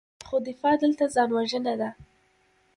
خو دفاع دلته ځان وژنه ده.